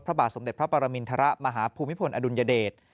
พระบาทสมเด็จพระปรมินทรมาฮภูมิพลอดุลยเดช